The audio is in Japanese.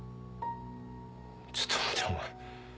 ちょっと待てお前。